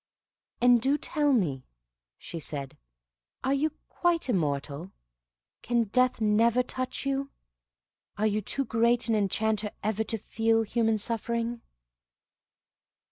"And do tell me," she said, "are you quite immortal? Can death never touch you? And are you too great an enchanter ever to feel human suffering?"